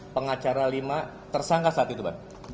pengacara lima tersangka saat itu pak